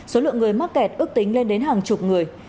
số lượng người mắc kẹt ước tính lên đến hàng chục người